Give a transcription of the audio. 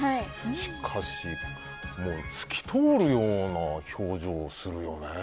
しかし、透き通るような表情をするよね。